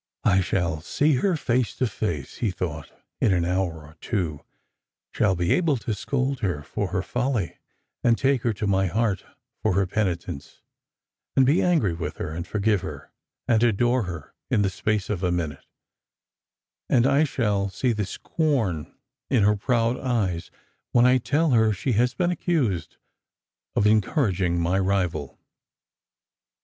" I shall see her face to face," he thought, " in an hour or two — shall be able to scold her for her folly, and take her to my heart for her penitence ; and be angry with her, and forgive her, and adore her in the space of a minute ; and I shall see the scorn in her proud eyes when I tell her she has been accused of encouraging my rival."